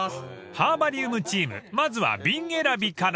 ［ハーバリウムチームまずは瓶選びから］